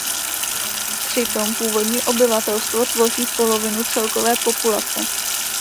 Přitom původní obyvatelstvo tvoří polovinu celkové populace.